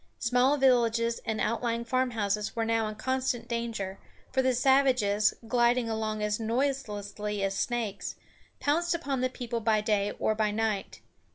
Small villages and outlying farmhouses were now in constant danger; for the savages, gliding along as noiselessly as snakes, pounced upon the people by day or by night.